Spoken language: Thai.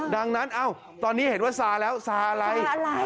ดังนั้นตอนนี้เห็นว่าซาแล้วซาอะไร